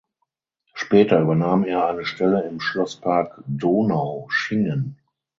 Später übernahm er eine Stelle im Schlosspark Donaueschingen.